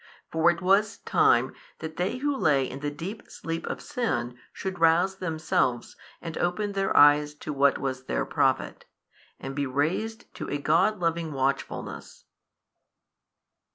For it was time that they who lay in the deep sleep of sin should rouse themselves and open their eyes to what was their profit, and be raised to a God loving watchfulness.